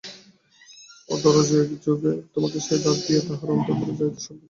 অদ্য রজনীযোগে তোমাকে সেই দ্বার দিয়া তাহার অন্তঃপুরে যাইতে সঙ্কেত করিয়াছে।